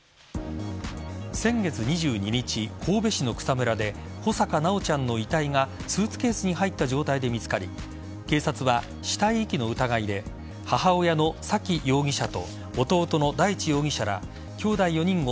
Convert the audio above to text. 先月２２日、神戸市の草むらで穂坂修ちゃんの遺体がスーツケースに入った状態で見つかり警察は死体遺棄の疑いで母親の沙喜容疑者と弟の大地容疑者らきょうだい４人を